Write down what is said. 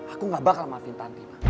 aku gak bakal maafin tantina